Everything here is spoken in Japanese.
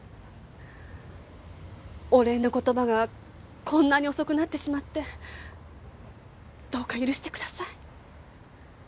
お礼の言葉がこんなに遅くなってしまってどうか許してください。